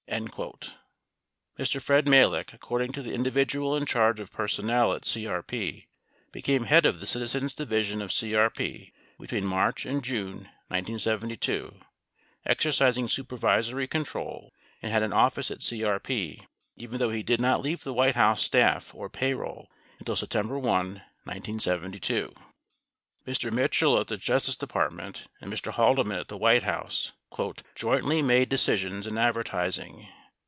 10 Mr. Fred Malek, accord ing to the individual in charge of personnel at CRP, became head of the Citizens Division of CRP between March and June 1972, exer cising supervisory control, and had an office at CRP, even though he did not leave the White House staff or payroll until September 1, 1972. 17 Mr. Mitchell at the Justice Department and Mr. Haldeman at the White House "jointly made decisions in advertising."